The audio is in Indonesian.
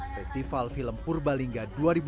festival film purbalingga dua ribu dua puluh